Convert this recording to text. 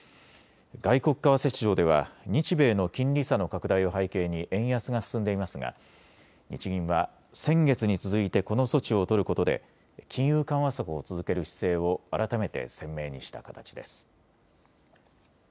外国為替市場では日米の金利差の拡大を背景に円安が進んでいますが日銀は先月に続いてこの措置を取ることで金融緩和策を続ける姿勢を改めて鮮明にした形です。